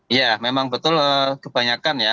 iya memang betul kebanyakan ya